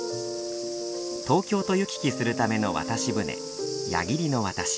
東京と行き来するための渡し船矢切の渡し。